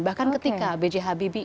bahkan ketika b j habibie